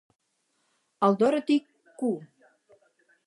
El 'Dorothy Q.